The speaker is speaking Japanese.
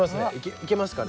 いけますかね？